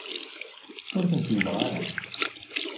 Ur tent-yebɣi ara?